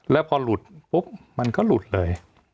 แล้วพอหลุดปุ๊บมันก็หลุดเลย